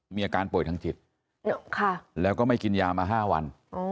มีอาการป่วยทางจิตแล้วก็ไม่กินยามา๕วัน